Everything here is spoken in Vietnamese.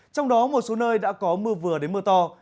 trong đó một số nơi đã có mưa vừa đến mưa to